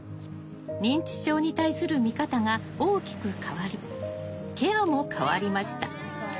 認知症に対する見方が大きく変わりケアも変わりました。